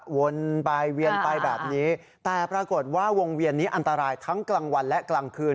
วนไปเวียนไปแบบนี้แต่ปรากฏว่าวงเวียนนี้อันตรายทั้งกลางวันและกลางคืน